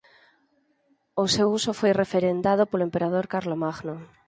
O seu uso foi referendado polo emperador Carlomagno.